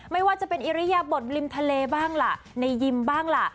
ไม่ว่าจะเป็นอิริยบทริมทะเลบ้างล่ะในยิมบ้างล่ะ